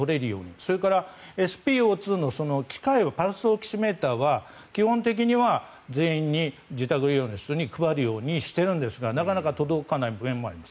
それからＳｐＯ２を計る機械をパルスオキシメーターは基本的には全員に自宅療養の人に配るようにしているんですがなかなか届かない面もあります。